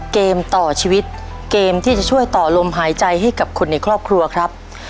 เกมต่อชีวิตเกมที่จะช่วยต่อลมหายใจให้กับคนในครอบครัวครับ